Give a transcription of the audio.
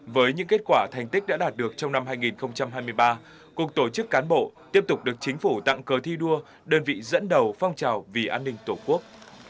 với những kết quả thành tích đã đạt được trong năm hai nghìn hai mươi ba cục tổ chức cán bộ tiếp tục được chính phủ tặng cờ thi đua đơn vị dẫn đầu phong trào vì an ninh tổ quốc